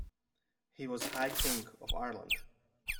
He was High King of Ireland.